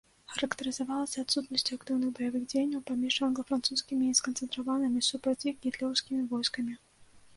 Характарызавалася адсутнасцю актыўных баявых дзеянняў паміж англа-французскімі і сканцэнтраванымі супраць іх гітлераўскімі войскамі.